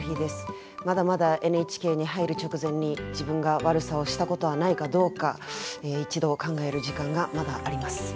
まだまだＮＨＫに入る直前に自分が悪さをしたことはないかどうか一度考える時間がまだあります。